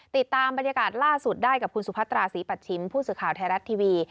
ติดตามบรรยากาศล่าสุดได้กับคุณสุพัตราศรีปัชชิมผู้สื่อข่าวไทยรัฐทีวี